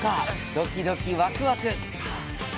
ドキドキワクワク！